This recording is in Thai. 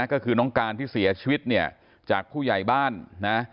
ก็คือน้องการที่เสียชีวิตเนี่ยจากผู้ใหญ่บ้านนะ